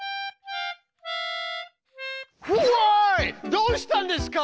どうしたんですか？